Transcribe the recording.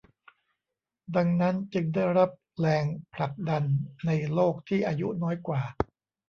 ดังนั้นจึงได้รับแรงผลักดันในโลกที่อายุน้อยกว่า